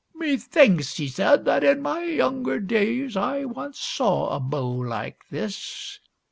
" Me thinks," he said, " that in my younger days I once saw a bow like this."